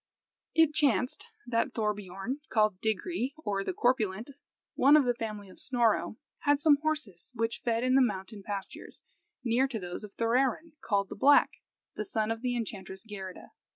It chanced that Thorbiorn, called Digri (or the corpulent), one of the family of Snorro, had some horses which fed in the mountain pastures, near to those of Thorarin, called the Black, the son of the enchantress Geirrida.